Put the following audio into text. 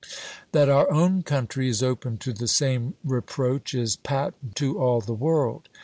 That our own country is open to the same reproach, is patent to all the world.